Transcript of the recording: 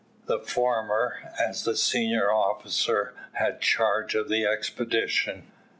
The former, as the senior officer, had charge of the expedition.